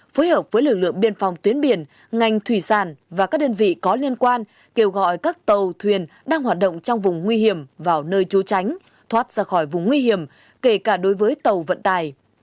phối hợp với lực lượng biên phòng tuyến biển ngành thủy sản và các đơn vị có liên quan kêu gọi các tàu thuyền đang hoạt động trong vùng nguy hiểm vào nơi trú tránh thoát ra khỏi vùng nguy hiểm kể cả đối với tàu vận tài